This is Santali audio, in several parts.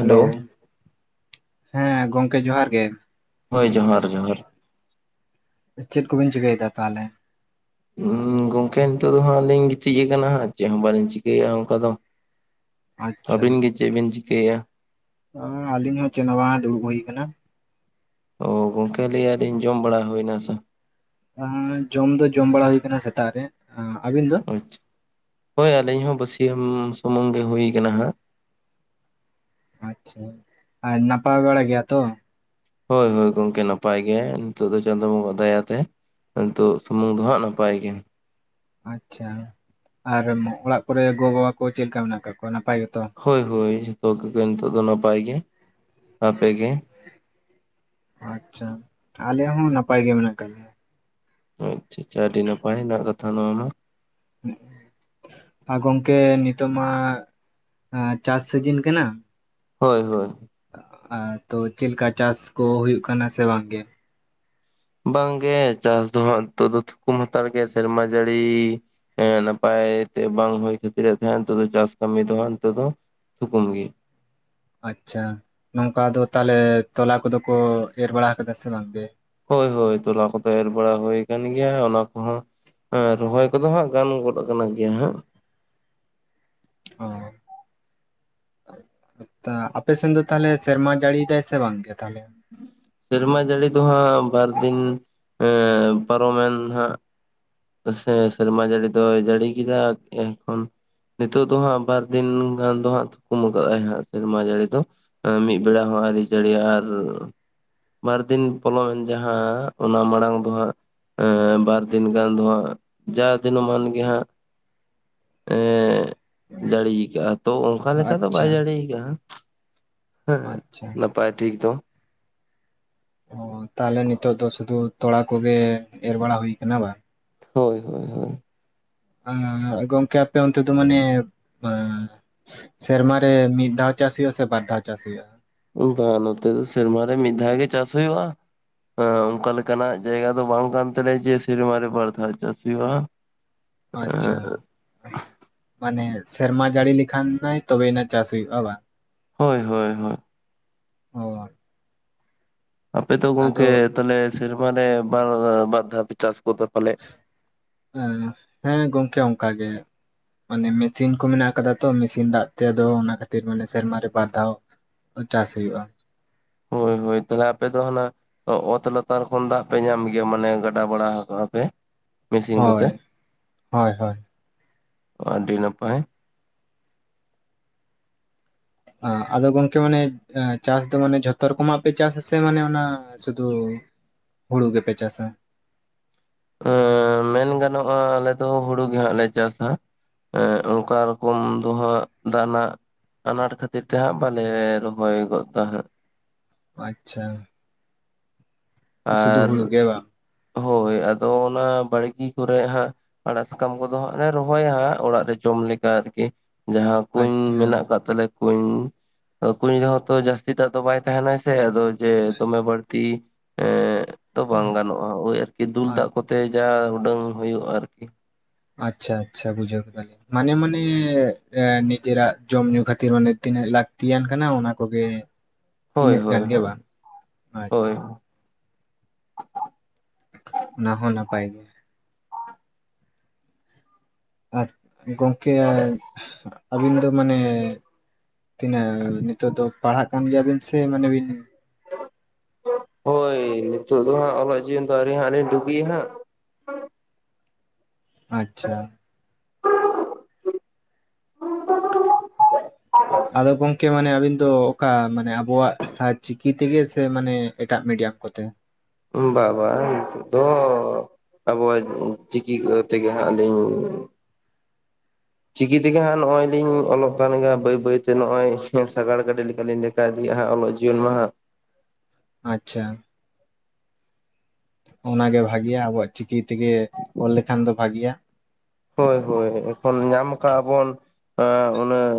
ᱦᱮᱞᱳ, ᱦᱮᱸ ᱜᱚᱝᱠᱮ ᱡᱚᱦᱟᱨ ᱜᱮ। ᱦᱳᱭ ᱡᱚᱦᱟᱨ ᱡᱚᱦᱟᱨ। ᱪᱮᱫ ᱠᱚᱵᱤᱱ ᱪᱤᱠᱟᱹᱭ ᱫᱟ ᱛᱟᱦᱮᱞᱮ? ᱚᱢᱸ ᱜᱚᱝᱠᱮ ᱱᱤᱛᱚᱜ ᱫᱚ ᱦᱟᱸᱜ ᱞᱤᱧ ᱜᱤᱛᱤᱡ ᱠᱟᱱᱟ ᱦᱟᱸᱜ ᱪᱮᱜ ᱦᱚᱸ ᱵᱟᱹᱞᱤᱧ ᱪᱤᱠᱟᱭᱮᱜ-ᱟ ᱚᱱᱠᱟ ᱫᱚ। ᱟᱹᱵᱤᱱ ᱜᱮ ᱪᱮᱜ ᱵᱤᱱ ᱪᱤᱠᱟᱭᱮᱜ-ᱟ? ᱟ ᱟᱹᱞᱤᱧ ᱦᱚᱸ ᱪᱮᱜ ᱦᱚᱸ ᱵᱟᱝ ᱫᱩᱲᱩᱵ ᱦᱩᱭ ᱠᱟᱱᱟ। ᱚ ᱜᱚᱝᱠᱮ ᱞᱟᱹᱭ ᱟᱹᱞᱤᱧ ᱡᱚᱢ ᱵᱟᱲᱟ ᱦᱳᱭ ᱱᱟᱥᱮ? [inaudible] ᱡᱚᱢ ᱫᱚ ᱡᱚᱢ ᱵᱟᱲᱟ ᱦᱩᱭ ᱠᱟᱱᱟ ᱥᱮᱛᱟᱜ ᱨᱮ ᱟᱹᱵᱤᱱ ᱫᱚ ᱟᱪᱪᱷᱟ, ᱦᱳᱭ ᱟᱹᱞᱤᱧ ᱦᱚᱸ ᱵᱟᱹᱥᱤᱭᱟᱹᱢ ᱥᱩᱢᱩᱝ ᱜᱮ ᱦᱩᱭ ᱠᱟᱱᱟ ᱦᱟᱸᱜ। ᱟᱪᱪᱷᱟ ᱟᱨ ᱱᱟᱯᱟᱭ ᱵᱟᱲᱟ ᱜᱮᱭᱟ ᱛᱚ? ᱦᱳᱭ ᱦᱳᱭ ᱜᱚᱝᱠᱮ ᱱᱟᱯᱟᱭ ᱜᱮ ᱱᱤᱛᱚᱜ ᱫᱚ ᱪᱟᱸᱫᱳ ᱵᱚᱸᱜᱟ ᱫᱟᱭᱟᱛᱮ। ᱱᱤᱛᱚᱜ ᱥᱩᱢᱩᱝ ᱫᱚ ᱦᱟᱸᱜ ᱱᱟᱯᱟᱭ ᱜᱮ। ᱟᱪᱪᱷᱟ, ᱟᱨ ᱚᱲᱟᱜ ᱠᱚᱨᱮ ᱜᱚ ᱵᱟᱵᱟ ᱠᱚ ᱪᱮᱫ ᱞᱮᱠᱟ ᱢᱮᱱᱟᱜ ᱠᱟᱜ ᱠᱚᱣᱟ ᱱᱟᱯᱟᱭ ᱜᱮ ᱛᱚ? ᱦᱳᱭ ᱦᱳᱭ ᱡᱷᱚᱛᱚ ᱠᱚᱜᱮ ᱱᱤᱛᱚᱜ ᱫᱚ ᱱᱟᱯᱟᱭ ᱜᱮ, ᱟᱯᱮᱜᱮ? ᱟᱪᱪᱷᱟ, ᱟᱞᱮ ᱦᱚᱸ ᱱᱟᱯᱟᱭ ᱜᱮ ᱢᱮᱱᱟᱜ ᱠᱟᱜ ᱞᱮᱭᱟ। ᱟᱪ ᱟᱪᱪᱷᱟ ᱟᱹᱰᱤ ᱱᱟᱯᱟᱭ ᱱᱟᱜ ᱠᱟᱛᱷᱟ ᱱᱚᱶᱟ ᱢᱟ। ᱟ ᱜᱚᱝᱠᱮ ᱱᱤᱛᱚᱜ ᱢᱟ ᱟᱸ ᱪᱟᱥ ᱥᱤᱡᱤᱱ ᱠᱟᱱᱟ ᱦᱳᱭ ᱦᱳᱭ ᱟᱨ ᱛᱚ ᱪᱮᱫ ᱞᱮᱠᱟ ᱪᱟᱥ ᱠᱚ ᱦᱩᱭᱩᱜ ᱠᱟᱱᱟ ᱥᱮ ᱵᱟᱝ ᱜᱮ? ᱵᱟᱝᱜᱮ ᱪᱟᱥ ᱫᱚ ᱦᱟᱸᱜ ᱱᱤᱛᱚᱜ ᱫᱚ ᱛᱷᱩᱠᱩᱢ ᱦᱟᱛᱟᱲ ᱜᱮ ᱥᱮᱨᱢᱟ ᱡᱟᱹᱲᱤ ᱮᱸ ᱱᱟᱯᱟᱭ ᱛᱮ ᱵᱟᱝ ᱦᱳᱭ ᱠᱷᱟᱹᱛᱤᱨ ᱟᱫᱚ ᱦᱟᱸᱜ ᱦᱮᱛᱳᱜ ᱫᱚ ᱪᱟᱥ ᱠᱟᱹᱢᱤ ᱫᱚ ᱦᱟᱸᱜ ᱱᱮᱛᱳᱜ ᱫᱚ ᱛᱷᱩᱠᱟᱹᱢ ᱜᱮᱭᱟ᱾ ᱟᱪᱪᱷᱟ ᱱᱚᱝᱠᱟ ᱟᱫᱚ ᱛᱟᱦᱟᱞᱮ ᱛᱚᱞᱟ ᱠᱚᱫᱚ ᱠᱚ ᱮᱨ ᱵᱟᱲᱟ ᱠᱟᱫᱟ ᱥᱮ ᱵᱟᱝ ᱜᱮ? ᱦᱳᱭ ᱦᱳᱭ ᱛᱚᱞᱟ ᱠᱚᱫᱚ ᱮᱨ ᱵᱟᱲᱟ ᱦᱳᱭ ᱠᱟᱱ ᱜᱮᱭᱟ ᱚᱱᱟ ᱠᱚᱦᱚᱸ ᱮᱸ ᱨᱚᱦᱚᱭ ᱠᱚᱫᱚ ᱦᱟᱸᱜ ᱜᱟᱱ ᱜᱚᱫ ᱟᱠᱟᱱᱟ ᱜᱮᱭᱟ ᱦᱟᱸᱜ᱾ ᱚ ᱛᱟ ᱟᱯᱮ ᱥᱮᱱ ᱫᱚ ᱛᱟᱦᱟᱞᱮ ᱥᱮᱨᱢᱟ ᱡᱟᱹᱲᱤᱭ ᱫᱟᱭ ᱥᱮ ᱵᱟᱝ ᱜᱮ ᱛᱟᱦᱟᱞᱮ? ᱥᱮᱨᱢᱟ ᱡᱟᱹᱲᱤ ᱫᱚ ᱦᱟᱸᱜ ᱵᱟᱨ ᱫᱤᱱ ᱮᱸ ᱯᱟᱨᱚᱢᱮᱱ ᱦᱟᱸᱜ ᱥᱮ ᱥᱮᱨᱢᱟ ᱡᱟᱹᱲᱤ ᱫᱚᱭ ᱡᱟᱹᱲᱤ ᱠᱮᱫᱟ ᱮ ᱠᱷᱚᱱ᱾ ᱱᱮᱛᱳᱜ ᱫᱚ ᱦᱟᱸᱜ ᱵᱟᱨ ᱫᱤᱱ ᱜᱟᱱ ᱫᱚ ᱦᱟᱸᱜ ᱛᱷᱩᱠᱟᱹᱢ ᱠᱟᱜᱟᱭ ᱦᱟᱸᱜ ᱥᱮᱨᱢᱟ ᱡᱟᱹᱲᱤ ᱫᱚ᱾ ᱮᱸ ᱢᱤᱫ ᱵᱮᱲᱟ ᱦᱚᱸ ᱟᱹᱣᱨᱤ ᱡᱟᱹᱨᱤᱭ-ᱟ ᱟᱨ ᱵᱟᱨ ᱫᱤᱱ ᱯᱚᱞᱚᱢᱮᱱ ᱡᱟᱦᱟᱸ ᱚᱱᱟ ᱢᱟᱲᱟᱝ ᱫᱚ ᱦᱟᱸᱜ ᱮᱸ ᱵᱟᱨ ᱫᱤᱱ ᱜᱟᱱ ᱫᱚ ᱦᱟᱸᱜ ᱡᱟ ᱫᱤᱱᱟᱹᱢᱟᱱ ᱜᱮ ᱦᱟᱸᱜ ᱮᱸ ᱡᱟᱹᱲᱤ ᱠᱟᱜᱟ ᱛᱚ ᱚᱝᱠᱟ ᱞᱮᱠᱟ ᱫᱚ ᱵᱟᱭ ᱟᱪᱪᱷᱟ ᱡᱟᱹᱲᱤ ᱠᱟᱜ-ᱟ᱾ ᱦᱮᱸ ᱟᱪᱪᱷᱟ ᱱᱟᱯᱟᱭ ᱴᱷᱤᱠ ᱫᱚ᱾ ᱚ ᱛᱟᱦᱟᱞᱮ ᱱᱤᱛᱳᱜ ᱫᱚ ᱥᱩᱫᱩ ᱛᱚᱲᱟ ᱠᱚᱜᱮ ᱮᱨ ᱵᱟᱲᱟ ᱦᱩᱭ ᱠᱟᱱᱟ ᱵᱟᱝ ᱦᱳᱭ ᱦᱳᱭ ᱦᱳᱭ ᱮᱸ ᱜᱚᱝᱠᱮ ᱟᱯᱮ ᱚᱱᱛᱮ ᱫᱚ ᱢᱟᱱᱮ ᱮᱸ ᱥᱮᱨᱢᱟᱨ ᱨᱮ ᱢᱤᱫ ᱫᱷᱟᱣ ᱪᱟᱥ ᱦᱩᱭᱩᱜ- ᱟ ᱥᱮ ᱵᱟᱨ ᱫᱷᱟᱣ ᱪᱟᱥ ᱦᱩᱭᱩᱜ-ᱟ? ᱵᱟᱝ ᱱᱚᱛᱮ ᱫᱚ ᱥᱮᱨᱢᱟ ᱨᱮ ᱢᱤᱫ ᱫᱷᱟᱣ ᱜᱮ ᱪᱟᱥ ᱦᱩᱭᱩᱜ-ᱟ᱾ ᱦᱮᱸ ᱚᱝᱠᱟ ᱞᱮᱠᱟᱱᱟᱜ ᱡᱟᱭᱜᱟ ᱫᱚ ᱵᱟᱝ ᱠᱟᱱ ᱛᱟᱞᱮᱭᱟ ᱡᱮ ᱥᱮᱨᱢᱟ ᱨᱮ ᱵᱟᱨ ᱫᱷᱟᱣ ᱪᱟᱥ ᱦᱩᱭᱩᱜ-ᱟ᱾ ᱟᱪᱪᱷᱟ ᱢᱟᱱᱮ ᱥᱮᱨᱢᱟ ᱡᱟᱹᱲᱤ ᱞᱮᱠᱷᱟᱱ ᱱᱟᱭ ᱛᱚᱵᱮᱭᱱᱟ ᱪᱟᱥ ᱦᱩᱭᱩᱜ-ᱟ ᱵᱟᱝ? ᱦᱳᱭ ᱦᱳᱭ ᱦᱳᱭ ᱚ ᱟᱯᱮ ᱫᱚ ᱟᱫᱚ ᱜᱚᱝᱠᱮ ᱛᱟᱞᱦᱮ ᱥᱮᱨᱢᱟᱨᱮ ᱵᱟᱨ ᱵᱟᱨ ᱫᱷᱟᱣ ᱯᱮ ᱪᱟᱥ ᱜᱚᱫᱟ ᱯᱟᱞᱮᱜ? ᱦᱮᱸ ᱦᱮᱸ ᱜᱚᱝᱠᱮ ᱚᱝᱠᱟ ᱜᱮ ᱢᱟᱱᱮ ᱢᱮᱪᱤᱱ ᱠᱚ ᱢᱮᱱᱟᱜ ᱠᱟᱫᱟ᱾ ᱛᱚ ᱢᱤᱥᱤᱱ ᱫᱟᱜ ᱛᱮ ᱟᱫᱚ ᱚᱱᱟ ᱠᱷᱟᱹᱛᱤᱨ ᱢᱟᱱᱮ ᱥᱮᱨᱢᱟᱨᱮ ᱵᱟᱨ ᱫᱷᱟᱣ ᱪᱟᱥ ᱦᱩᱭᱩᱜᱭ-ᱟ᱾ ᱦᱳᱭ ᱦᱳᱭ ᱛᱟᱞᱦᱮ ᱟᱯᱮ ᱫᱚ ᱦᱟᱱᱟ ᱚᱛ ᱞᱟᱛᱟᱨ ᱠᱷᱚᱱ ᱫᱟᱜ ᱯᱮ ᱧᱟᱢ ᱜᱮᱭᱟ ᱢᱟᱱᱮ ᱜᱟᱰᱟ ᱵᱟᱲᱟ ᱠᱟᱜ-ᱟ ᱯᱮ? ᱢᱤᱥᱤᱱ ᱠᱚᱛᱮ ᱦᱳᱭ ᱦᱳᱭ ᱦᱳᱭ ᱟᱹᱰᱤ ᱱᱟᱯᱟᱭ᱾ ᱟᱫᱚ ᱜᱚᱝᱠᱮ ᱢᱟᱱᱮ ᱪᱟᱥ ᱫᱚ ᱢᱟᱱᱮ ᱡᱷᱚᱛᱚ ᱨᱚᱠᱚᱢᱟᱜ ᱯᱮ ᱪᱟᱥ ᱟᱥᱮ ᱢᱟᱱᱮ ᱚᱱᱟ ᱥᱩᱫᱩ ᱦᱩᱲᱩ ᱜᱮᱯᱮ ᱪᱟᱥᱟ? ᱮᱸ ᱢᱮᱱ ᱜᱟᱱᱚᱜ-ᱟ ᱟᱞᱮ ᱫᱚ ᱦᱩᱲᱩ ᱜᱮ ᱦᱟᱸᱜ ᱞᱮ ᱪᱟᱥᱟ᱾ ᱮᱸ ᱚᱝᱠᱟ ᱨᱚᱠᱚᱢ ᱫᱚ ᱦᱟᱸᱜ ᱫᱟᱜ ᱱᱟᱜ ᱟᱱᱟᱴ ᱠᱷᱟᱹᱛᱤᱨ ᱛᱮ ᱦᱟᱸᱜ ᱵᱟᱞᱮ ᱨᱚᱦᱚᱭ ᱜᱚᱫ ᱫᱟ ᱦᱟᱸᱜ᱾ ᱟᱪᱪᱷᱟ ᱥᱩᱫᱷᱩ ᱟᱨ ᱦᱩᱲᱩ ᱜᱮ ᱵᱟᱝ ᱦᱳᱭ ᱟᱫᱚ ᱚᱱᱟ ᱵᱟᱲᱜᱤ ᱠᱚᱨᱮ ᱦᱟᱸᱜ ᱟᱲᱟᱜ ᱥᱟᱠᱟᱢ ᱠᱚᱫᱚ ᱦᱟᱸᱜ ᱞᱮ ᱨᱚᱦᱚᱭᱟ ᱦᱟᱸᱜ ᱚᱲᱟᱜ ᱨᱮ ᱡᱚᱢ ᱞᱮᱠᱟ ᱟᱨᱠᱤ᱾ ᱡᱟᱦᱟᱸ ᱠᱩᱧ ᱟᱪᱪᱷᱟ ᱢᱮᱱᱟᱜ ᱟᱠᱟᱫ ᱛᱟᱞᱮ ᱠᱩᱧ ᱟᱫᱚ ᱠᱩᱧ ᱨᱮᱦᱚᱸ ᱛᱚ ᱡᱟᱹᱥᱛᱤ ᱫᱟᱜ ᱫᱚ ᱵᱟᱭ ᱛᱟᱦᱮᱱᱟ ᱥᱮ ᱟᱫᱚ ᱡᱮ ᱫᱚᱢᱮ ᱵᱟᱹᱲᱛᱤ ᱮᱸ ᱛᱚ ᱵᱟᱝ ᱜᱟᱱᱚᱜ-ᱟ ᱳᱭ ᱟᱨᱠᱤ ᱫᱩᱞ ᱫᱟᱜ ᱠᱚᱛᱮ ᱡᱟ ᱩᱰᱟᱹᱝ ᱦᱩᱭᱩᱜ-ᱟ ᱟᱨᱠᱤ᱾ ᱟᱪᱪᱷᱟ, ᱟᱪᱪᱷᱟ, ᱵᱩᱡᱷᱟᱹᱣ ᱠᱮᱫᱟᱞᱤᱧ᱾ ᱢᱟᱱᱮ ᱢᱟᱱᱮ ᱮᱸ ᱱᱤᱡᱮᱨᱟᱜ ᱡᱚᱢ ᱧᱩ ᱠᱷᱟᱹᱛᱤᱨ ᱢᱟᱱᱮ ᱛᱤᱱᱟᱹᱜ ᱞᱟᱹᱠᱛᱤᱭᱟᱱ ᱠᱟᱱᱟ ᱚᱱᱟ ᱠᱚᱜᱮ, ᱦᱳᱭ ᱤᱱᱟᱹᱜ ᱦᱳᱭ ᱜᱟᱱ ᱜᱮ ᱦᱳᱭ ᱵᱟᱝ, ᱦᱳᱭ ᱟᱪᱪᱷᱟ, ᱚᱱᱟ ᱦᱚᱸ ᱱᱟᱯᱟᱭ ᱜᱮ᱾ ᱟᱡ ᱜᱚᱝᱠᱮ ᱟᱹᱵᱤᱱ ᱫᱚ ᱢᱟᱱᱮ, ᱛᱤᱱᱟᱹᱜ ᱱᱤᱛᱚᱜ ᱫᱚ ᱯᱟᱲᱦᱟᱜ ᱠᱟᱱ ᱜᱮᱭᱟᱵᱤᱱ ᱥᱮ ᱢᱟᱱᱮ ᱵᱤᱱ ᱦᱳᱭ ᱱᱤᱛᱳ ᱫᱚ ᱦᱟᱸᱜ ᱚᱞᱚᱜ ᱡᱤᱭᱚᱱ ᱫᱚ ᱟᱹᱣᱨᱤ ᱦᱟᱸᱜ ᱞᱤᱧ ᱰᱩᱜᱤᱭᱟ ᱦᱟᱸᱜ, ᱟᱪᱪᱷᱟ, ᱟᱫᱚ ᱜᱚᱝᱠᱮ ᱢᱟᱱᱮ ᱟᱹᱵᱤᱱ ᱫᱚ ᱚᱠᱟ ᱢᱟᱱᱮ ᱟᱵᱚᱣᱟᱜ ᱪᱤᱠᱤ ᱛᱮᱜᱮ ᱥᱮ ᱢᱟᱱᱮ ᱮᱴᱟᱜ ᱢᱤᱰᱤᱭᱟᱢ ᱠᱚᱛᱮ? ᱵᱟ ᱵᱟᱝ ᱱᱤᱛᱚᱜ ᱫᱚ ᱟᱵᱚᱣᱟᱜ ᱪᱤᱠᱤ ᱛᱮᱜᱮ ᱦᱟᱸᱜ ᱞᱤᱧ ᱪᱤᱠᱤ ᱛᱮᱜᱮ ᱦᱟᱸᱜ ᱱᱚᱜ-ᱚᱭᱤᱧ ᱚᱞᱚᱜ ᱠᱟᱱ ᱜᱮᱭᱟ ᱵᱟᱹᱭ ᱵᱟᱹᱭᱛᱮ ᱱᱚᱜ-ᱚᱭ ᱥᱟᱜᱟᱲ ᱜᱟᱹᱰᱤ ᱞᱮᱠᱟ ᱞᱤᱧ ᱞᱟ ᱦᱟ ᱤᱫᱤᱭᱮᱜᱼᱟ ᱦᱟᱸᱜ ᱚᱞᱚᱜ ᱡᱤᱭᱚᱱ ᱦᱟᱸᱜ, ᱟᱪᱪᱷᱟ, ᱚᱱᱟᱜᱮ ᱵᱷᱟᱜᱮᱤᱭᱟ ᱟᱵᱚᱣᱟᱜ ᱪᱤᱠᱤ ᱛᱮᱜᱮ ᱚᱞ ᱞᱮᱠᱷᱟᱱ ᱫᱚ ᱵᱷᱟᱜᱤᱭᱟ᱾ ᱦᱳᱭ ᱦᱳᱭ ᱮᱠᱷᱚᱱ ᱧᱟᱢ ᱠᱟᱜ-ᱟ ᱵᱚᱱ ᱚᱸ ᱩᱱᱟᱹᱜ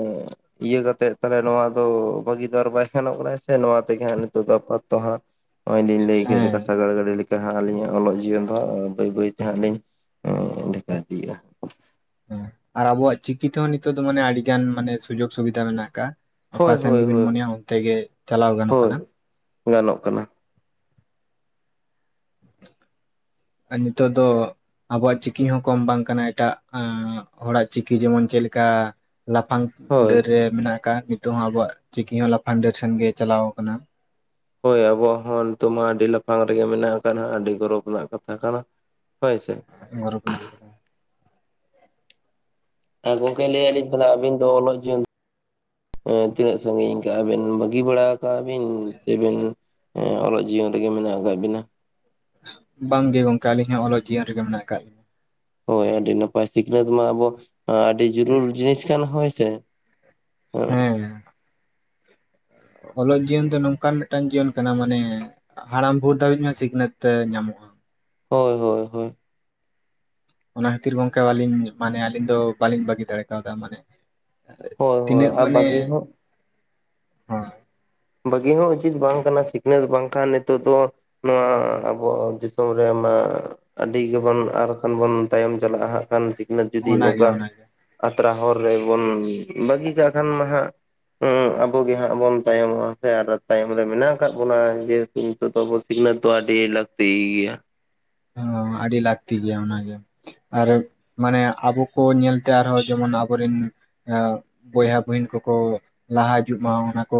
ᱤᱭᱟᱹ ᱠᱟᱛᱮᱫ ᱛᱟᱦᱚᱞᱮ ᱱᱚᱣᱟ ᱟᱫᱚ ᱵᱷᱟᱹᱜᱤ ᱫᱟᱨ ᱵᱟᱭ ᱜᱟᱱᱚᱜ ᱠᱟᱱᱟ ᱥᱮ, ᱱᱚᱣᱟ ᱛᱮᱜᱮ ᱦᱟᱸᱜ ᱱᱤᱛᱚᱜ ᱫᱚ ᱟᱯᱟᱛᱚ ᱫᱚ ᱦᱟᱸᱜ᱾ ᱦᱚᱸᱜᱼᱚᱭ ᱞᱤᱧ ᱞᱟᱹᱭ ᱠᱮᱫ ᱦᱮᱸ ᱞᱮᱠᱟ ᱥᱟᱜᱟᱲ ᱜᱟᱹᱰᱤ ᱞᱮᱠᱟ ᱦᱟᱸᱜ ᱟᱹᱞᱤᱧᱟᱜ ᱚᱞᱚᱜ ᱡᱤᱭᱚᱱ ᱫᱚ ᱵᱟᱹᱭ ᱵᱟᱹᱭ ᱛᱮ ᱦᱟᱸᱜ ᱞᱤᱧ ᱰᱷᱮᱠᱟ ᱤᱫᱤᱭᱮᱫ-ᱟ᱾ ᱦᱮᱸ, ᱟᱨ ᱟᱵᱚᱣᱟᱜ ᱪᱤᱠᱤ ᱛᱮᱦᱚᱸ ᱱᱤᱛᱚᱜ ᱫᱚ ᱢᱟᱱᱮ ᱟᱹᱰᱤᱜᱟᱱ ᱢᱟᱱᱮ ᱥᱩᱡᱳᱜ ᱥᱩᱵᱤᱫᱷᱟ ᱢᱮᱱᱟᱜ ᱟᱠᱟᱜᱼᱟ᱾ ᱚᱠᱟ ᱦᱳᱭ ᱥᱮᱱ ᱦᱳᱭ ᱜᱮᱵᱤᱱ ᱦᱳᱭ ᱢᱚᱱᱮᱭᱟ ᱚᱱᱛᱮᱜᱮ ᱪᱟᱞᱟᱣ ᱜᱟᱱᱚᱜ ᱦᱳᱭ ᱠᱟᱱᱟ᱾ ᱜᱟᱱᱚᱜ ᱠᱟᱱᱟ, ᱟᱨ ᱱᱤᱛᱚᱜ ᱫᱚ ᱟᱵᱚᱣᱟᱜ ᱪᱤᱠᱤ ᱦᱚᱸ ᱠᱚᱢ ᱵᱟᱝ ᱠᱟᱱᱟ ᱮᱴᱟᱜ ᱚᱸ ᱦᱚᱲᱟᱜ ᱪᱤᱠᱤ ᱡᱮᱢᱚᱱ ᱪᱮᱫ ᱞᱮᱠᱟ ᱞᱟᱯᱷᱟᱝ ᱦᱳᱭ ᱰᱟᱹᱨ ᱨᱮ ᱢᱮᱱᱟᱜ ᱟᱠᱟᱫᱼ ᱟ, ᱱᱤᱛᱚᱜ ᱦᱚᱸ ᱟᱵᱚᱣᱟᱜ ᱪᱤᱠᱤ ᱦᱚᱸ ᱞᱟᱯᱷᱟᱝ ᱰᱟᱹᱨ ᱥᱮᱱᱜᱮ ᱪᱟᱞᱟᱣ ᱟᱠᱟᱱᱟ᱾ ᱦᱳᱭ ᱟᱵᱚᱣᱟᱜ ᱦᱚᱸ ᱱᱤᱛᱚᱜ ᱢᱟ ᱟᱹᱰᱤ ᱞᱟᱯᱷᱟᱝ ᱨᱮᱜᱮ ᱢᱮᱱᱟᱜ ᱟᱠᱟᱫ ᱦᱟᱸᱜ ᱟᱹᱰᱤ ᱜᱚᱨᱚᱵᱽ ᱨᱮᱱᱟᱜ ᱠᱟᱛᱷᱟ ᱠᱟᱱᱟ᱾ ᱦᱳᱭ ᱥᱮ, ᱜᱚᱨᱚᱵᱽ ᱨᱮᱱᱟᱜ, ᱠᱟᱛᱷᱟ ᱦᱮᱸ ᱜᱚᱝᱠᱮ ᱞᱟᱹᱭᱮᱫᱟᱞᱤᱧ ᱛᱟᱦᱞᱮ ᱟᱹᱵᱤᱱ ᱫᱚ ᱚᱞᱚᱜ ᱡᱤᱭᱚᱱ ᱛᱤᱱᱟᱹᱜ ᱥᱟᱺᱜᱤᱧ ᱟᱵᱮᱱ ᱵᱟᱹᱜᱤ ᱵᱟᱲᱟ ᱠᱟᱜᱼᱟᱵᱤᱱ ᱥᱮᱵᱮᱱ ᱚᱞᱚᱜ ᱡᱤᱭᱚᱱ ᱨᱮᱜᱮ ᱢᱮᱱᱟᱜ ᱟᱠᱟᱫ ᱵᱤᱱᱟ? ᱵᱟᱝᱜᱮ ᱜᱚᱝᱠᱮ ᱟᱹᱞᱤᱧ ᱦᱚᱸ ᱚᱞᱚᱜ ᱡᱤᱭᱚᱱ ᱨᱮᱜᱮ ᱢᱮᱱᱟᱜ ᱟᱠᱟᱜ ᱞᱤᱧᱟᱹ᱾ ᱦᱳᱭ ᱟᱹᱰᱤ ᱱᱟᱯᱟᱭ᱾ ᱥᱤᱠᱷᱱᱟᱹᱛ ᱢᱟ ᱟᱵᱚ ᱟᱹᱰᱤ ᱡᱟᱹᱨᱩᱲ ᱡᱤᱱᱤᱥ ᱠᱟᱱ ᱦᱳᱭ ᱥᱮ᱾ ᱦᱮ, ᱦᱮᱸ ᱚᱞᱚᱜ ᱡᱤᱭᱚᱱ ᱫᱚ ᱱᱚᱝᱠᱟᱱ ᱢᱤᱫᱴᱟᱝ ᱡᱤᱭᱚᱱ ᱠᱟᱱᱟ ᱢᱟᱱᱮ ᱦᱟᱲᱟᱢ ᱵᱷᱳᱨ ᱫᱷᱟᱹᱵᱤᱡ ᱦᱚᱸ ᱥᱤᱠᱷᱱᱟᱹᱛ ᱧᱟᱢᱚᱜ-ᱟ᱾ ᱦᱳᱭ, ᱦᱳᱭ, ᱚᱱᱟ ᱠᱷᱟᱹᱛᱤᱨ ᱜᱚᱝᱠᱮ ᱟᱹᱞᱤᱧ ᱢᱟᱱᱮ ᱟᱹᱞᱤᱧ ᱫᱚ ᱵᱟᱞᱤᱧ ᱵᱟᱹᱜᱤ ᱫᱟᱲᱮ ᱠᱟᱣᱫᱟ, ᱢᱟᱱᱮ ᱦᱳᱭ ᱦᱳᱭ ᱛᱤᱱᱟᱹᱜ ᱟᱨ ᱢᱟᱱᱮ, ᱵᱟᱹᱜᱤ ᱦᱚᱸ ᱦᱳᱭ, ᱵᱟᱹᱜᱤ ᱦᱚᱸ ᱩᱪᱤᱛ ᱵᱟᱝ ᱠᱟᱱᱟ, ᱥᱤᱠᱷᱱᱟᱹᱛ ᱵᱟᱝᱠᱷᱟᱱ ᱱᱤᱛᱚᱜ ᱫᱚ ᱱᱚᱣᱟ ᱟᱵᱚ ᱫᱤᱥᱚᱢ ᱨᱮᱢᱟ ᱟᱹᱰᱤ ᱜᱮᱵᱚᱱ ᱟᱨ ᱠᱷᱟᱱ ᱵᱚᱱ ᱛᱟᱭᱚᱢ ᱪᱟᱞᱟᱜ-ᱟ ᱦᱟᱸᱜ ᱠᱷᱟᱱ ᱩᱱᱟᱹᱜ ᱡᱩᱫᱤ ᱚᱱᱟᱜᱮ ᱱᱚᱝᱠᱟ ᱚᱱᱟᱜᱮ ᱟᱛᱨᱟ ᱦᱚᱨ ᱨᱮᱵᱚᱱ ᱵᱟᱹᱜᱤ ᱠᱟᱜ ᱠᱷᱟᱱ ᱢᱟ ᱦᱟᱸᱜ ᱦᱮᱸ ᱟᱵᱚ ᱜᱮ ᱦᱟᱸᱜ ᱵᱚᱱ ᱛᱟᱭᱚᱢᱚᱜ-ᱟ᱾ ᱥᱮ ᱟᱨᱚ ᱛᱟᱭᱚᱢ ᱨᱮ ᱢᱮᱱᱟᱜ ᱟᱠᱟᱫ ᱵᱚᱱᱟ ᱡᱮᱦᱮᱛᱩ ᱱᱤᱛᱚᱜ ᱫᱚ ᱟᱵᱚ ᱥᱤᱠᱷᱱᱟᱹᱛ ᱫᱚ ᱟᱹᱰᱤ ᱞᱟᱹᱠᱛᱤ ᱜᱮᱭᱟ᱾ ᱳᱻ ᱟᱹᱰᱤ ᱞᱟᱹᱠᱛᱤ ᱜᱮᱭᱟ ᱚᱱᱟᱜᱮ ᱟᱨ ᱢᱟᱱᱮ ᱟᱵᱚ ᱠᱚ ᱧᱮᱞᱛᱮ ᱟᱨᱦᱚᱸ ᱡᱮᱢᱚᱱ ᱟᱵᱚᱨᱮᱱ ᱵᱚᱭᱦᱟ ᱵᱩᱦᱤᱱ ᱠᱚᱠᱚ ᱞᱟᱦᱟ ᱦᱤᱡᱩᱜ ᱢᱟ ᱚᱱᱟ ᱠᱚ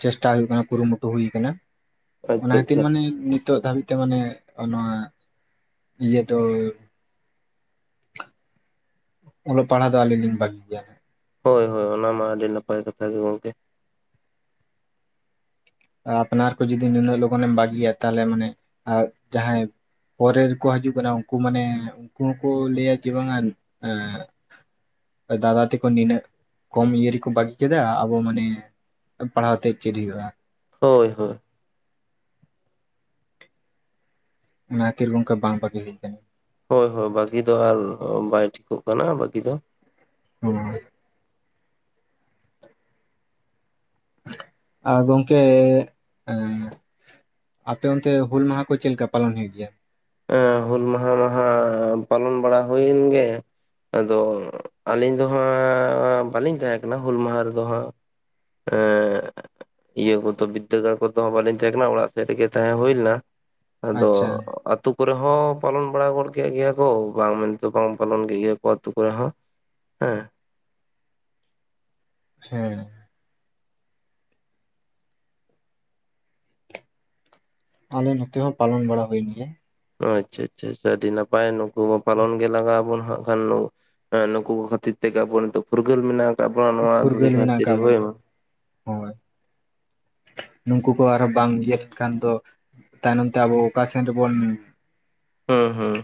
ᱪᱮᱥᱴᱟ ᱦᱩᱭᱩᱜ ᱠᱟᱱᱟ ᱠᱩᱨᱩᱢᱩᱴᱩ ᱦᱩᱭ ᱠᱟᱱᱟ ᱟᱪᱪᱷᱟ ᱚᱱᱟ ᱠᱷᱟᱹᱛᱤᱨ ᱟᱪᱪᱷᱟ ᱢᱟᱱᱮ ᱱᱤᱛᱚᱜ ᱫᱷᱟᱹᱵᱤᱡ ᱛᱮ ᱢᱟᱱᱮ ᱱᱚᱣᱟ ᱤᱭᱟᱹ ᱫᱚ [inaudible] ᱚᱞᱚᱜ ᱯᱟᱲᱦᱟᱜ ᱫᱚ ᱟᱹᱞᱤᱧ ᱞᱤᱧ ᱵᱷᱟᱹᱜᱤ ᱜᱮᱭᱟᱞᱤ ᱦᱳᱭ ᱦᱳᱭ ᱚᱱᱟ ᱢᱟ ᱟᱹᱰᱤ ᱱᱟᱯᱟᱭ ᱠᱟᱛᱷᱟ ᱜᱮ ᱜᱚᱢᱠᱮ ᱟᱯᱱᱟᱨ ᱠᱚ ᱡᱩᱫᱤ ᱱᱩᱱᱟᱹᱜ ᱞᱚᱜᱚᱱᱮᱢ ᱵᱟᱹᱜᱤᱭᱟ ᱛᱟᱦᱞᱮ ᱢᱟᱱᱮ ᱡᱟᱦᱟᱸᱭ ᱯᱚᱨᱮ ᱨᱮᱠᱚ ᱦᱤᱡᱩᱜ ᱠᱟᱱᱟ ᱩᱱᱠᱩ ᱢᱟᱱᱮ ᱩᱱᱠᱩ ᱦᱚᱸᱠᱚ ᱞᱟᱹᱭᱟ ᱡᱮ ᱵᱟᱝᱼᱟ ᱮᱸ ᱫᱟᱫᱟ ᱛᱮᱠᱚ ᱱᱤᱱᱟᱹᱜ ᱠᱚᱢ ᱤᱭᱟᱹ ᱨᱮᱠᱚ ᱵᱟᱹᱜᱤ ᱠᱮᱫᱟ ᱟᱵᱚ ᱢᱟᱱᱮ ᱯᱟᱲᱦᱟᱣ ᱛᱮ ᱪᱮᱫ ᱦᱩᱭᱩᱜ-ᱟ ᱦᱳᱭ ᱦᱳᱭ ᱚᱱᱟ ᱛᱤᱨ ᱜᱚᱢᱠᱮ ᱵᱟᱝ ᱵᱟᱹᱜᱤ ᱦᱩᱭ ᱠᱟᱱᱟ ᱦᱳᱭ ᱦᱳᱭ ᱵᱟᱹᱜᱤ ᱫᱚ ᱟᱨ ᱵᱟᱭ ᱴᱷᱤᱠᱚᱜ ᱠᱟᱱᱟ ᱵᱟᱹᱜᱤ ᱫᱚ ᱦᱚᱸᱻ ᱟᱨ ᱜᱚᱝᱠᱮ ᱮᱸᱻ ᱟᱯᱮ ᱚᱱᱛᱮ ᱦᱩᱞ ᱢᱟᱦᱟ ᱠᱚ ᱪᱮᱫ ᱞᱮᱠᱟ ᱯᱟᱞᱟᱱ ᱦᱩᱭᱩᱜ ᱜᱮᱭᱟ ᱮᱸ ᱦᱩᱞ ᱢᱟᱦᱟ ᱢᱟᱦᱟᱜ ᱯᱟᱞᱟᱱ ᱵᱟᱲᱟ ᱦᱩᱭᱮᱱ ᱜᱮ ᱟᱫᱚ ᱟᱹᱞᱤᱧ ᱫᱚ ᱦᱟᱸᱜ ᱵᱟᱹᱞᱤᱧ ᱛᱟᱦᱮᱸ ᱠᱟᱱᱟ ᱦᱩᱞ ᱢᱟᱦᱟ ᱨᱮᱫᱚ ᱦᱟᱸᱜ ᱮᱸᱜ ᱤᱭᱟᱹ ᱠᱚᱫᱚ ᱵᱤᱫᱽᱫᱟᱹᱜᱟᱲ ᱠᱚᱫᱚ ᱵᱟᱞᱤᱧ ᱛᱟᱦᱮᱸ ᱠᱟᱱᱟ ᱚᱲᱟᱜ ᱥᱮᱫ ᱨᱮᱜᱮ ᱛᱟᱦᱮᱸ ᱦᱩᱭ ᱞᱮᱱᱟ ᱟᱪᱪᱷᱟ ᱟᱫᱚ ᱠᱚᱨᱮ ᱦᱚᱸ ᱯᱟᱞᱚᱱ ᱵᱟᱲᱟ ᱜᱚᱫ ᱠᱮᱫ ᱜᱮᱭᱟ ᱠᱚ ᱵᱟᱝ ᱢᱮᱱᱛᱮ ᱵᱟᱝ ᱯᱟᱞᱚᱱ ᱠᱮᱫ ᱜᱮᱭᱟ ᱠᱚ ᱟᱹᱛᱩ ᱠᱚᱨᱮ ᱦᱚᱸ ᱦᱮᱸ ᱦᱮᱸ ᱟᱞᱮ ᱱᱚᱛᱮ ᱦᱚᱸ ᱯᱟᱞᱚᱱ ᱵᱟᱲᱟ ᱦᱩᱭᱮᱱ ᱜᱮ ᱚ ᱟᱪᱪᱷᱟ ᱟᱪᱪᱷᱟ ᱪᱷᱟ ᱟᱹᱰᱤ ᱱᱟᱯᱟᱭ ᱱᱩᱠᱩ ᱢᱟ ᱯᱟᱞᱚᱱ ᱜᱮ ᱞᱟᱜᱟᱣ ᱟᱵᱚᱱ ᱦᱟᱸᱜ ᱠᱷᱟᱱ ᱦᱮᱸ ᱱᱩᱠᱩ ᱠᱚ ᱠᱷᱟᱹᱛᱤᱨ ᱛᱮᱜᱮ ᱟᱵᱚ ᱱᱚᱜ ᱯᱷᱩᱨᱜᱟᱹᱞ ᱢᱮᱱᱟᱜ ᱟᱠᱟᱫ ᱵᱚᱱᱟ ᱱᱚᱣᱟ ᱫᱷᱩᱲᱤ ᱯᱷᱩᱨᱜᱟᱹᱞ ᱫᱷᱟᱹᱨᱛᱤ ᱢᱮᱱᱟᱜ ᱨᱮ ᱟᱠᱟᱫ ᱦᱳᱭ ᱵᱚᱱᱟ ᱢᱟ ᱦᱳᱭ ᱱᱩᱠᱩ ᱠᱚ ᱟᱨᱚ ᱵᱟᱝ ᱤᱭᱟᱹᱜ ᱠᱟᱱ ᱫᱚ ᱛᱟᱭᱱᱚᱢ ᱛᱮ ᱟᱵᱚ ᱚᱠᱟ ᱥᱮᱱ ᱨᱮᱵᱚᱱ ᱦᱩᱸ ᱦᱩᱸ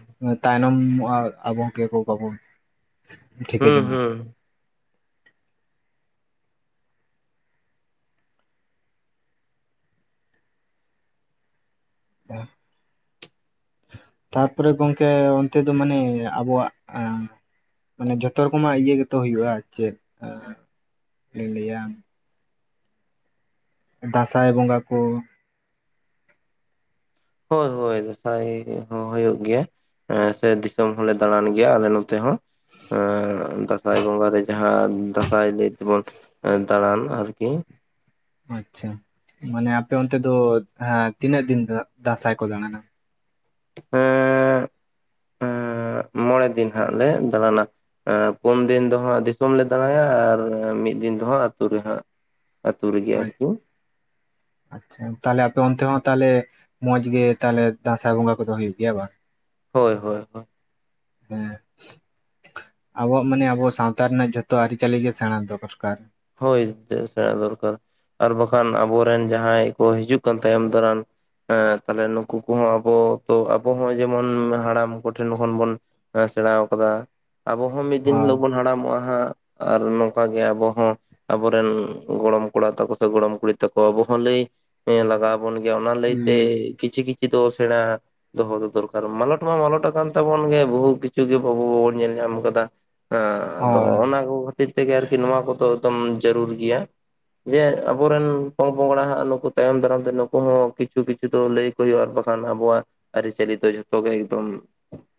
ᱛᱟᱭᱱᱚᱢᱚᱜᱼᱟ ᱟᱵᱚ ᱠᱮᱠᱚ ᱠᱟᱵᱚᱱ ᱦᱩᱸ ᱦᱩᱸ ᱦᱟᱸ ᱛᱟᱨᱯᱚᱨᱮ ᱜᱚᱝᱠᱮ ᱚᱱᱛᱮ ᱫᱚ ᱢᱟᱱᱮ ᱟᱵᱚᱣᱟᱜ ᱟᱸ ᱢᱟᱱᱮ ᱡᱚᱛᱚ ᱨᱚᱠᱚᱢᱟᱜ ᱤᱭᱟᱹ ᱜᱮᱛᱚ ᱦᱩᱭᱩᱜᱼᱟ ᱪᱮᱫ ᱤᱧ ᱞᱟᱹᱭᱟ ᱫᱟᱸᱥᱟᱭ ᱵᱚᱸᱜᱟ ᱠᱚ ᱦᱳᱭ ᱦᱳᱭ ᱫᱟᱸᱥᱟᱭ ᱦᱚᱸ ᱦᱩᱭᱩᱜ ᱜᱮᱭᱟ ᱥᱮ ᱫᱤᱥᱚᱢ ᱦᱚᱸᱞᱮ ᱫᱟᱬᱟᱱ ᱜᱮᱭᱟ ᱟᱞᱮ ᱱᱚᱛᱮ ᱦᱚᱸ ᱟᱸ ᱫᱟᱸᱥᱟᱭ ᱵᱚᱸᱜᱟᱨᱮ ᱡᱟᱦᱟᱸ ᱫᱟᱸᱥᱟᱭ ᱞᱟᱹᱭ ᱛᱮᱵᱚᱱ ᱫᱟᱬᱟᱱ ᱟᱨᱠᱤ ᱟᱪᱪᱷᱟ ᱢᱟᱱᱮ ᱟᱯᱮ ᱚᱱᱛᱮ ᱫᱚ ᱛᱤᱱᱟᱹᱜ ᱫᱤᱱ ᱫᱟᱸᱥᱟᱭ ᱠᱚ ᱫᱟᱬᱟᱱᱟ ᱦᱮᱸ ᱢᱚᱬᱮ ᱫᱤᱱ ᱦᱟᱹᱜ ᱞᱮ ᱫᱟᱬᱟᱱᱟ ᱯᱩᱱ ᱫᱤᱱ ᱫᱚ ᱦᱟᱸᱜ ᱫᱤᱥᱚᱢ ᱞᱮ ᱫᱟᱬᱟᱭᱟ ᱟᱨ ᱢᱤᱫ ᱫᱤᱱ ᱫ ᱚᱦᱟᱸᱜ ᱟᱹᱛᱩ ᱨᱮ ᱦᱟᱸᱜ ᱟᱹᱛᱩ ᱨᱮᱜᱮ ᱟᱨ ᱠᱤ ᱟᱪᱪᱷᱟ ᱛᱟᱦᱞᱮ ᱟᱯᱮ ᱚᱱᱛᱮ ᱦᱚᱸ ᱛᱟᱦᱞᱮ ᱢᱚᱸᱡ ᱜᱮ ᱛᱟᱦᱞᱮ ᱫᱟᱸᱥᱟᱭ ᱵᱚᱸᱜᱟ ᱠᱚᱫᱚ ᱦᱩᱭᱩᱜ ᱜᱮᱭᱟ ᱵᱟ ᱦᱳᱭ ᱦᱳᱭ ᱦᱳᱭ ᱦᱮᱸ ᱟᱵᱚᱣᱟᱜ ᱢᱟᱱᱮ ᱟᱵᱚ ᱥᱟᱶᱛᱟ ᱨᱮᱱᱟᱜ ᱡᱷᱚᱛᱚ ᱟᱹᱨᱤ ᱪᱟᱹᱞᱤ ᱜᱮ ᱥᱮᱬᱟ ᱫᱚᱨᱠᱟᱨ ᱦᱳᱭ ᱥᱮᱬᱟ ᱫᱚᱨᱠᱟᱨ ᱟᱨ ᱵᱟᱠᱷᱟᱱ ᱟᱵᱚᱨᱮᱱ ᱡᱟᱦᱟᱸᱭ ᱠᱚ ᱦᱤᱡᱩᱜ ᱠᱟᱱ ᱛᱟᱭᱚᱢ ᱫᱟᱨᱟᱢ ᱮᱸ ᱛᱟᱦᱞᱮ ᱱᱩᱠᱩ ᱠᱚᱦᱚᱸ ᱟᱵᱚ ᱛᱚ ᱟᱵᱚ ᱦᱚᱸ ᱡᱮᱢᱚᱱ ᱦᱟᱲᱟᱢ ᱠᱚᱴᱷᱮᱱ ᱠᱷᱚᱱ ᱵᱚᱱ ᱟᱸ ᱥᱮᱬᱟᱣ ᱟᱠᱟᱫᱟ ᱟᱵᱚ ᱦᱚᱸ ᱢᱤᱫ ᱫᱤᱱ ᱦᱳᱭ ᱦᱤᱞᱚᱜ ᱵᱚᱱ ᱦᱟᱲᱟᱢᱚᱜᱼᱟ ᱦᱟᱸᱜ ᱟᱨ ᱱᱚᱝᱠᱟ ᱜᱮ ᱟᱵᱚ ᱦᱚᱸ ᱟᱵᱚᱨᱮᱱ ᱜᱚᱲᱚᱢ ᱠᱚᱲᱟ ᱛᱟᱠᱚ ᱥᱮ ᱜᱚᱲᱚᱢ ᱠᱩᱲᱤ ᱛᱟᱠᱚ ᱟᱵᱚ ᱦᱚᱸ ᱞᱟᱹᱭ ᱞᱟᱜᱟᱣ [unintelligible] ᱚᱱᱟ ᱞᱟᱹᱭᱛᱮ ᱞᱟᱹᱭ ᱠᱤᱪᱷᱤ ᱠᱤᱪᱷᱩ ᱫᱚ ᱥᱮᱬᱟ ᱫᱚᱦᱚ ᱫᱚ ᱫᱚᱨᱠᱟᱨ ᱢᱟᱞᱚᱴ ᱢᱟ ᱢᱟᱞᱚᱴ ᱟᱠᱟᱱ ᱛᱟᱵᱚᱱ ᱜᱮ ᱵᱩᱦᱩ ᱠᱤᱪᱷᱩ ᱜᱮ ᱵᱟᱵᱚᱱ ᱧᱮᱞ ᱧᱟᱢ ᱟᱠᱟᱫᱟ ᱦᱟᱸ ᱟᱫᱚ ᱦᱳᱭ ᱚᱱᱟ ᱠᱚ ᱠᱷᱟᱹᱛᱤᱨ ᱛᱮᱜᱮ ᱟᱨᱠᱤ ᱱᱚᱣᱟ ᱠᱚᱫᱚ ᱮᱠᱫᱚᱢ ᱡᱟᱹᱨᱩᱨ ᱜᱮᱭᱟ ᱡᱮ ᱟᱵᱚᱨᱮᱱ ᱯᱚᱝᱯᱚᱝᱲᱟ ᱦᱟᱸᱜ ᱱᱩᱠᱩ ᱛᱟᱭᱚᱢ ᱫᱟᱨᱟᱢ ᱛᱮ ᱱᱩᱠᱩ ᱦᱚᱸ ᱠᱤᱪᱷᱩ ᱠᱤᱪᱷᱩ ᱫᱚ ᱞᱟᱹᱭ ᱠᱚ ᱦᱩᱭᱩᱜ ᱼ ᱟ ᱟᱨ ᱵᱟᱠᱷᱟᱱ ᱟᱵᱚᱣᱟ ᱟᱹᱨᱤᱪᱟᱹᱞᱤ ᱫᱚ ᱡᱚᱛᱚ ᱜᱮ ᱮᱠᱫᱚᱢ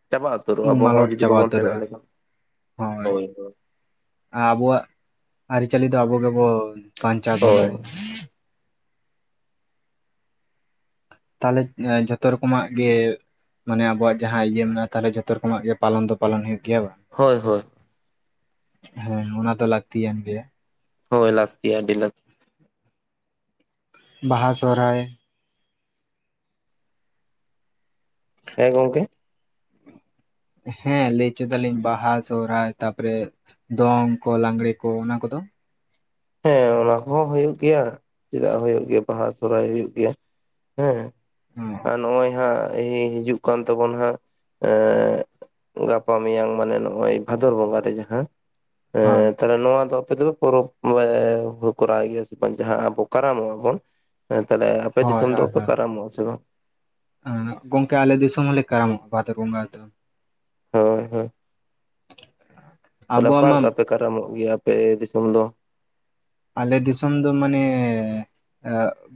ᱪᱟᱵᱟᱜ ᱩᱛᱟᱹᱨ ᱟᱵᱚ ᱦᱚᱸ ᱢᱟᱞᱚᱴ ᱡᱩᱫᱤ ᱪᱟᱵᱟ ᱵᱚᱜᱚᱱ ᱥᱮᱲᱟ ᱩᱛᱟᱹᱨᱚᱜᱼᱟ ᱞᱮᱠᱷᱟᱱ ᱦᱳᱭ ᱦᱳᱭ ᱟᱵᱚᱣᱟᱜ ᱟᱹᱨᱤᱪᱟᱹᱞᱤ ᱫᱚ ᱟᱵᱚ ᱜᱮᱵᱚ ᱵᱟᱧᱪᱟᱣ ᱫᱚᱦᱚ ᱦᱳᱭ ᱫᱟᱲᱮᱭᱟᱜᱼᱟ ᱛᱟᱦᱞᱮ ᱡᱷᱚᱛᱚ ᱨᱚᱠᱚᱢᱟᱜ ᱜᱮ ᱢᱟᱱᱮ ᱟᱵᱚᱣᱟᱜ ᱡᱟᱦᱟᱸ ᱤᱭᱟᱹ ᱢᱮᱱᱟᱜᱼᱟ ᱛᱟᱦᱚᱞᱮ ᱡᱷᱚᱛᱚ ᱨᱚᱠᱚᱢᱟᱜ ᱜᱮ ᱯᱟᱞᱚᱱ ᱫᱚ ᱯᱟᱞᱚᱱ ᱦᱩᱭᱩᱜ ᱜᱮᱭᱟ ᱵᱟ ᱦᱳᱭ ᱦᱳᱭ ᱦᱮᱸ ᱚᱱᱟ ᱫᱚ ᱞᱟᱹᱠᱛᱤᱭᱟᱱ ᱜᱮᱭᱟ ᱦᱳᱭ ᱞᱟᱹᱜᱛᱤ ᱰᱤᱞᱟᱠ ᱵᱟᱦᱟ ᱥᱚᱦᱨᱟᱭ ᱦᱮᱸ ᱜᱚᱢᱠᱮ ᱦᱮᱸ ᱞᱟᱹᱭ ᱦᱚᱪᱚᱭᱮᱫᱟᱞᱤᱧ ᱵᱟᱦᱟ ᱥᱚᱦᱨᱟᱭ ᱛᱟᱯᱚᱨᱮ ᱫᱚᱝ ᱠᱚ ᱞᱟᱜᱽᱲᱮ ᱠᱚ ᱚᱱᱟ ᱠᱚᱫᱚ ᱦᱮᱸ ᱚᱱᱟ ᱠᱚᱦᱚᱸ ᱦᱩᱭᱩᱜ ᱜᱮᱭᱟ ᱪᱮᱫᱟᱜ ᱦᱩᱭᱩᱜ ᱜᱮᱭᱟ ᱵᱟᱦᱟ ᱥᱚᱦᱨᱟᱭ ᱦᱩᱭᱩᱜ ᱜᱮᱭᱟ ᱦᱮᱸ ᱦᱚᱸ ᱟᱨ ᱱᱚᱜᱼᱚᱭ ᱦᱟᱸᱜ ᱦᱤᱡᱩᱜ ᱠᱟᱱ ᱛᱟᱵᱚ ᱦᱟᱸᱜ ᱮ ᱜᱟᱯᱟ ᱢᱮᱭᱟᱝ ᱢᱟᱱᱮ ᱱᱚᱜᱼᱚᱭ ᱵᱷᱟᱫᱚᱨ ᱵᱚᱸᱜᱟ ᱨᱮ ᱡᱟᱦᱟᱸ ᱛᱟᱦᱚᱞᱮ ᱱᱚᱣᱟ ᱫᱚ ᱟᱯᱮ ᱫᱚᱯᱮ ᱯᱚᱨᱚᱵᱽ [unintelligible] ᱠᱚᱨᱟᱣ ᱜᱮᱭᱟ ᱥᱮ ᱵᱟᱝ ᱡᱟᱦᱟᱸ ᱟᱵᱚ ᱠᱟᱨᱟᱢᱚᱜᱼᱟᱵᱚᱱ ᱦᱮᱸ ᱛᱟᱦᱚᱞᱮ ᱟᱯᱮ ᱦᱳᱭ ᱫᱤᱥᱚᱢ ᱦᱳᱭ ᱫᱚᱯᱮ ᱦᱳᱭ ᱠᱟᱨᱟᱢᱚᱜᱼᱟ ᱥᱮ ᱵᱟᱝ? ᱜᱚᱝᱠᱮ ᱟᱞᱮ ᱫᱤᱥ ᱦᱚᱞᱮ ᱠᱟᱨᱟᱢᱟᱜ ᱵᱷᱟᱫᱚᱨ ᱵᱚᱸᱜᱟ ᱫᱚ ᱦᱳᱭ ᱦᱳᱭ ᱛᱟᱦᱚᱞᱮ ᱟᱵᱚᱣᱟᱜ ᱚᱠᱟᱞ ᱢᱟ ᱞᱮᱠᱟ ᱯᱮ ᱠᱟᱨᱟᱢᱚᱜ ᱜᱮᱭᱟ ᱟᱯᱮ ᱫᱤᱥᱚᱢ ᱫᱚ᱾ ᱟᱞᱮ ᱫᱤᱥᱚᱢ ᱫᱚ ᱢᱟᱱᱮ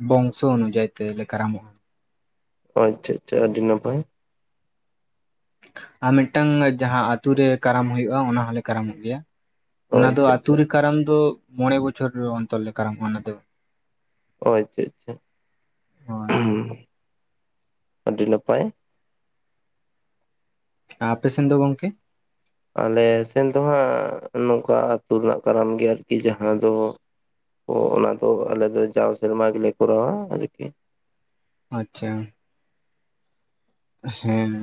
ᱵᱚᱝᱥᱚ ᱚᱱᱩᱡᱟᱭ ᱛᱮᱞᱮ ᱠᱟᱨᱟᱢᱚᱜᱼᱟ᱾ ᱟᱪᱪᱷᱟ ᱟᱪᱪᱷᱟ ᱟᱹᱰᱤ ᱱᱟᱯᱟᱭ᱾ ᱟᱨ ᱢᱤᱫᱴᱟᱝ ᱡᱟᱦᱟᱸ ᱟᱹᱛᱩᱨᱮ ᱠᱟᱨᱟᱢ ᱦᱩᱭᱩᱜᱼᱟ ᱚᱱᱟ ᱦᱚᱞᱮ ᱠᱟᱨᱟᱢᱚᱜ ᱜᱮᱭᱟ᱾ ᱚ ᱚᱱᱟ ᱫᱚ ᱟᱪᱪᱷᱟ ᱟᱹᱛᱩ ᱟᱪᱪᱷᱟ ᱨᱮ ᱠᱟᱨᱟᱢ ᱫᱚ ᱢᱚᱬᱮ ᱵᱚᱪᱷᱚᱨ ᱚᱱᱛᱚᱨ ᱞᱮ ᱠᱟᱨᱟᱢᱚᱜᱼᱟ ᱚᱱᱟ ᱫᱚ᱾ ᱚ ᱟᱪᱪᱷᱟ ᱦᱳᱭ ᱟᱪᱪᱷᱟ ᱟᱹᱰᱤ ᱱᱟᱯᱟᱭ ᱟᱯᱮᱥᱮᱱ ᱫᱚ ᱜᱚᱝᱠᱮ᱾ ᱟᱞᱮ ᱥᱮᱱ ᱫᱚ ᱦᱟᱸᱜ ᱱᱚᱝᱠᱟ ᱟᱹᱛᱩ ᱨᱮᱱᱟᱜ ᱠᱟᱨᱟᱢ ᱜᱮ ᱟᱨᱠᱤ ᱡᱟᱦᱟᱸ ᱫᱚ ᱚ ᱚᱱᱟ ᱫᱚ ᱟᱞᱮ ᱫᱚ ᱡᱟᱣ ᱥᱮᱨᱢᱟ ᱜᱮᱞᱮ ᱠᱚᱨᱟᱣᱟ ᱟᱨᱠᱤ ᱟᱪᱪᱷᱟ ᱦᱮᱸ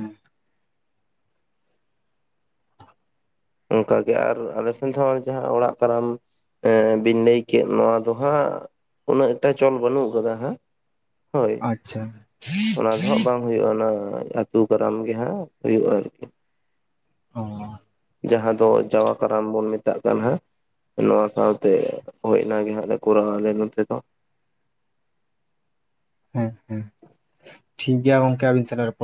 ᱚᱱᱠᱟᱜᱮ ᱟᱨ ᱟᱞᱮᱥᱮᱱ ᱦᱚᱸ ᱡᱟᱦᱟᱸ ᱚᱲᱟᱜ ᱠᱟᱨᱟᱢ ᱵᱤᱱ ᱞᱟᱹᱭ ᱠᱮᱫ ᱱᱚᱣᱟ ᱫᱚ ᱦᱟᱸᱜ ᱩᱱᱟᱹᱜ ᱮᱴᱟ ᱪᱚᱞ ᱵᱟᱹᱱᱩᱜ ᱟᱠᱟᱫᱟ ᱦᱟᱸᱜ ᱦᱳᱭ ᱟᱪᱪᱷᱟ ᱚᱱᱟ ᱫᱚ ᱦᱟᱸᱜ ᱵᱟᱝ ᱦᱩᱭᱩᱜᱼᱟ ᱚᱱᱟ ᱟᱹᱛᱩ ᱠᱟᱨᱟᱢ ᱜᱮ ᱦᱟᱸᱜ ᱦᱩᱭᱩᱜᱼᱟ ᱟᱨᱠᱤ᱾ ᱚ, ᱡᱟᱦᱟᱸ ᱫᱚ ᱡᱟᱣᱟ ᱠᱟᱨᱟᱢ ᱵᱚᱱ ᱢᱮᱛ ᱢᱮᱛᱟᱜ ᱠᱟᱱᱟ ᱦᱟᱜ ᱱᱚᱣᱟ ᱥᱟᱶᱛᱮ ᱦᱳᱭᱱᱟᱱᱟᱜ ᱜᱮ ᱦᱟᱸᱜ ᱞᱮ ᱠᱚᱨᱟᱣᱟ ᱟᱞᱮ ᱱᱚᱛᱮ ᱫᱚ, ᱦᱮᱸ, ᱦᱮᱸ, ᱴᱷᱤᱠ ᱜᱮᱭᱟ ᱜᱚᱝᱠᱮ ᱟᱵᱤᱱ ᱥᱟᱞᱟᱜ ᱨᱚᱯᱚᱲ